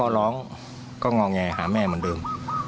ร้องก็งอแงหาแม่เหมือนเดิม